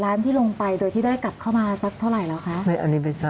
อันนี้ไม่ทราบเข้าไปได้กันหรือเปล่า